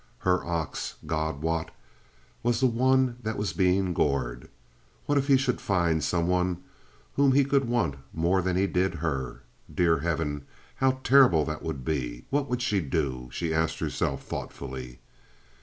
Her ox, God wot, was the one that was being gored. What if he should find some one whom he could want more than he did her? Dear heaven, how terrible that would be! What would she do? she asked herself, thoughtfully.